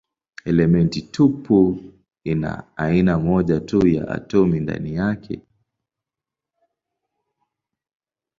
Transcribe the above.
Elementi tupu ina aina moja tu ya atomi ndani yake.